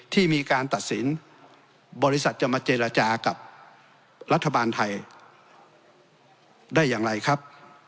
ที่มีการตัดสินบริษัทจะมาเจรจากับรัฐบาลไทยได้อย่างไรครับ